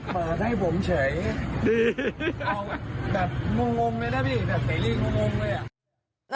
มาให้ผมใช้ดีเอาแบบมงงเลยนะพี่แบบใส่เล่นมงงด้วยอ่ะ